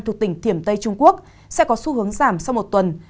thuộc tỉnh thiểm tây trung quốc sẽ có xu hướng giảm sau một tuần